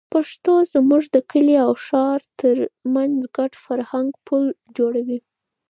پښتو زموږ د کلي او ښار تر منځ ګډ فرهنګي پُل جوړوي.